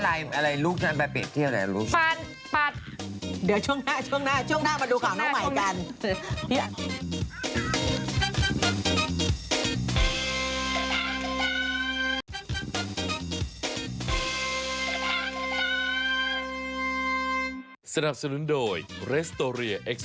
แล้วอะไรลูกนั้นไปเปลี่ยนเที่ยวอะไรลูก